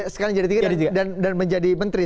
sekarang jadi tiga dan menjadi menteri